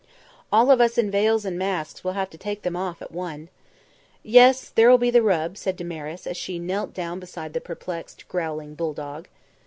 "All of us in veils and masks will have to take them off at one." "Yes, there'll be the rub," said Damaris, as she knelt down beside the perplexed, growling bulldog.